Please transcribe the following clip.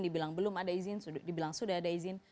dibilang belum ada izin dibilang sudah ada izin